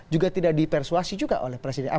juga tidak dipersuasi juga oleh presiden